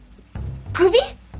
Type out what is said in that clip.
クビ！？